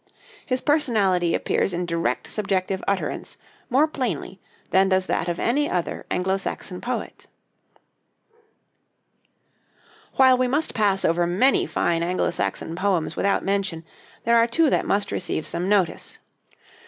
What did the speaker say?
His personality appears in direct subjective utterance more plainly than does that of any other Anglo Saxon poet. While we must pass over many fine Anglo Saxon poems without mention, there are two that must receive some notice.